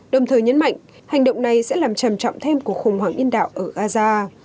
đồng thời nhấn mạnh hành động này sẽ làm trầm trọng thêm của khủng hoảng nhân đạo ở gaza